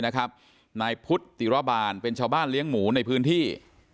นายพุทธิระบาลเป็นชาวบ้านเลี้ยงหมูในพื้นที่